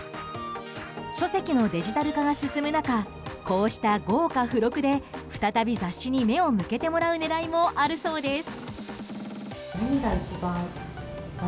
書籍のデジタル化が進む中こうした豪華付録で再び雑誌に目を向けてもらう狙いもあるそうです。